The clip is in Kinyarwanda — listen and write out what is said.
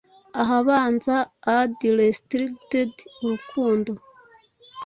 Ahabanza Ad Restricted Urukundo